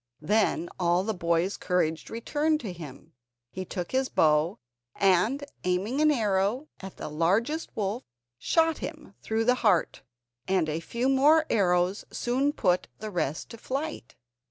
Then all the boy's courage returned to him. He took his bow, and aiming an arrow at the largest wolf, shot him through the heart, and a few more arrows soon put the rest to flight.